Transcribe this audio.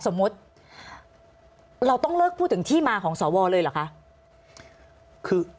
สมมุติเราต้องเลิกพูดถึงที่มาของสวเลยเหรอคะ